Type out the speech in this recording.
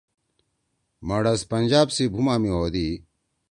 مڑَس پنجاب سی بُھوما می ہودی۔